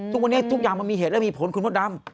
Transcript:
ทุกวันนี้ทุกอย่างมันมีเหตุและมีผลคุณมดดำ